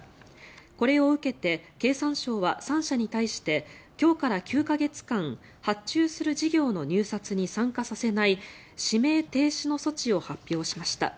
これを受けて、経産省は３社に対して今日から９か月間発注する事業の入札に参加させない指名停止の措置を発表しました。